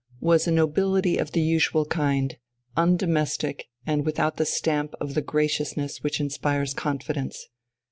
was a nobility of the usual kind, undomestic, and without the stamp of the graciousness which inspires confidence.